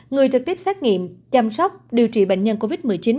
người trực tiếp xét nghiệm chăm sóc điều trị bệnh nhân covid một mươi chín